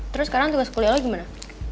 terus sekarang tugas kuliah lagi gimana